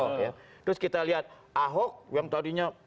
terus kita lihat ahok yang tadinya